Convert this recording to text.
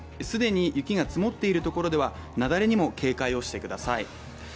既に雪が積もっているところでは雪崩にも警戒をしてください。